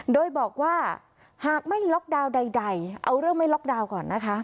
โดยบอกว่าหากไม่ล็อกดาวน์ใดเอาเรื่องไม่ล็อกดาวน์ก่อนนะคะ